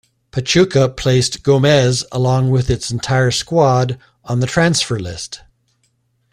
Pachuca placed Gomez, along with its entire squad, on the transfer list.